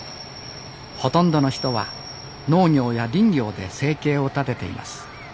ほとんどの人は農業や林業で生計を立てています